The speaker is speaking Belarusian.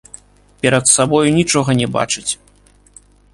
Перад сабою нічога не бачыць.